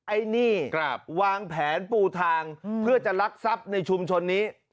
ไอ้นี่วางแผนปูทางเพื่อจะลักทรัพย์ในชุมชนนี้